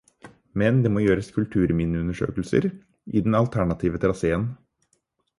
Men det må gjøres kulturminneundersøkelser i den alternative traseen.